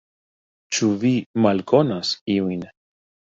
Ĉu vi malkonas iujn?